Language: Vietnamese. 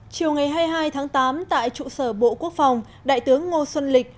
chiều ngày hai mươi hai tháng tám tại trụ sở bộ quốc phòng đại tướng ngô xuân lịch